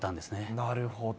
なるほど。